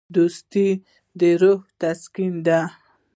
دوستي د روح تسکین دی.